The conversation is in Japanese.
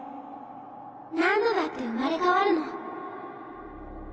何度だって生まれ変わるの。